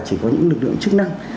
chỉ có những lực lượng chức năng